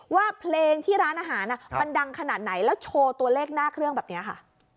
ว่าเพลงที่ร้านอาหารมันดังขนาดไหนแล้วโชว์ตัวเลขหน้าเครื่องแบบนี้ค่ะ